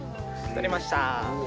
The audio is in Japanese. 取れました。